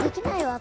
私。